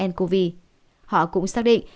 ncov họ cũng xác định